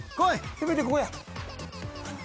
せめてここや。